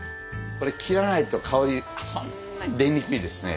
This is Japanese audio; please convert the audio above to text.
これ切らないと香りそんなに出にくいですね。